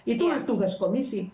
itulah tugas komisi